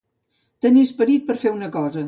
Tenir esperit per a fer una cosa.